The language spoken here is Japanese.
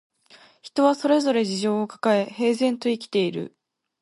人はそれぞれ事情をかかえ、平然と生きている